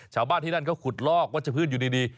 ชาวบ้านที่นั่นเขาขุดลอกวัชพืชอยู่ดี